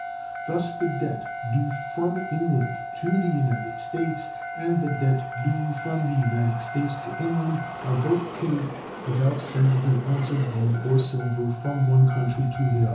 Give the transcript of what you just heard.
Thus the debt due from England to the United States, and the debt due from the United States to England, are both paid without sending an ounce of gold or silver from one country to the other.